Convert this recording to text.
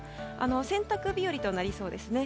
洗濯日和となりそうですね。